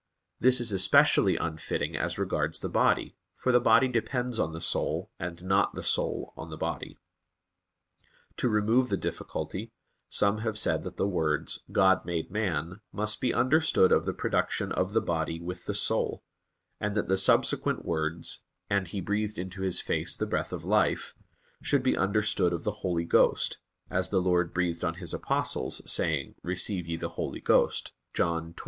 This is especially unfitting as regards the body, for the body depends on the soul, and not the soul on the body. To remove the difficulty some have said that the words, "God made man," must be understood of the production of the body with the soul; and that the subsequent words, "and He breathed into his face the breath of life," should be understood of the Holy Ghost; as the Lord breathed on His Apostles, saying, "Receive ye the Holy Ghost" (John 20:22).